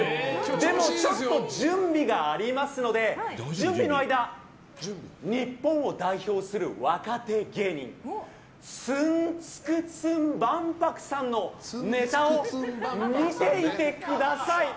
でもちょっと準備がありますので準備の間、日本を代表する若手芸人ツンツクツン万博さんのネタを見ていてください。